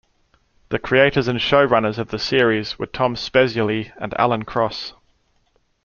The creators and showrunners of the series were Tom Spezialy and Alan Cross.